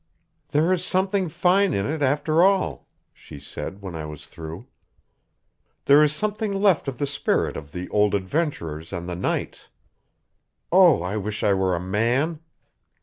"There is something fine in it, after all," she said when I was through. "There is something left of the spirit of the old adventurers and the knights. Oh, I wish I were a man!